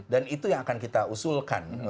dan itu yang akan kita usulkan